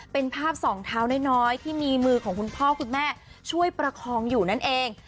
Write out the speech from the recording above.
เป็นภาพสองเท้าน้อยที่มีมือของคุณพ่อคุณแม่ช่วยประคองอยู่นั่นเอง